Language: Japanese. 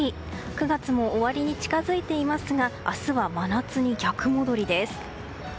９月も終わりに近づいていますが明日は真夏に逆戻りです。